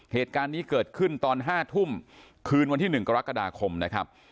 เหตุการณ์นี้เกิดขึ้นตอน๕ทุ่มคืนวันที่๑กรกฎาคมนะครับ